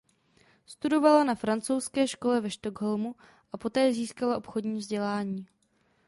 Studovala na francouzské škole ve Stockholmu a poté získala obchodní vzdělání.